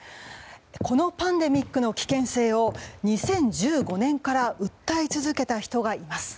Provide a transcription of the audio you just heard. このパンデミックの危険性を２０１５年から訴え続けた人がいます。